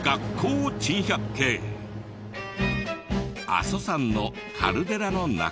阿蘇山のカルデラの中。